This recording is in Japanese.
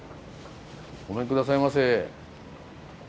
ごめんくださいませ。